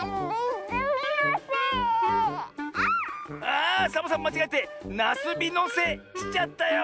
あサボさんまちがえて「なすびのせ」しちゃったよ！